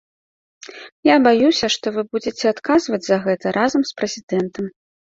Я баюся, што вы будзеце адказваць за гэта разам з прэзідэнтам.